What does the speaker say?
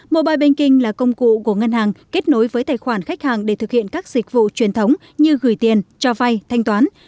mobile banking là công cụ của ngân hàng kết nối với tài khoản khách hàng để thực hiện các dịch vụ truyền thống như gửi tiền cho vay thanh toán